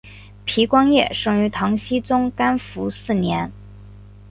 皮光业生于唐僖宗干符四年。